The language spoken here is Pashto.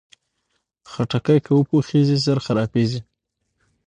خټکی که وپوخېږي، ژر خرابېږي.